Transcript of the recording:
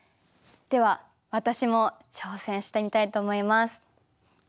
では私も挑戦してみたいと思います。